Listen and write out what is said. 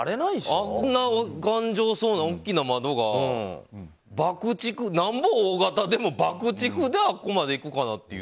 あんな頑丈そうな大きな窓がなんぼ大型でも爆竹であそこまでいくかなっていう。